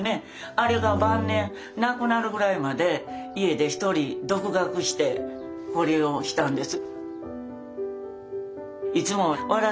あれが晩年亡くなるぐらいまで家で一人独学してこれをしたんです。